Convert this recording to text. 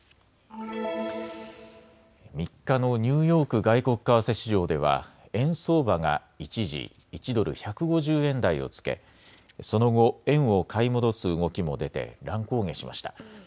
３日のニューヨーク外国為替市場では円相場が一時１ドル１５０円台をつけその後、円を買い戻す動きも出て乱高下しました。